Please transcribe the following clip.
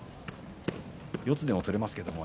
四つでも取れますけどね。